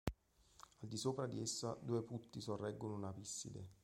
Al di sopra di essa, due putti sorreggono una pisside.